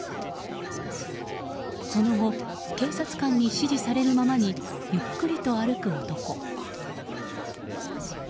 その後警察官に指示されるままにゆっくりと歩く男。